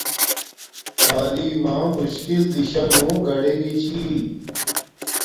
تعلیم ما مشکل دیشانو گاڈے گی چھی